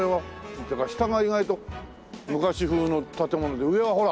ってか下が意外と昔風の建物で上はほら！